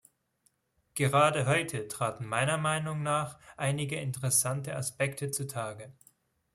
Gerade heute traten meiner Meinung nach einige interessante Aspekte zutage.